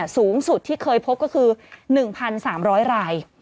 สูงสุดที่เคยพบก็คือ๑๓๐๐ราย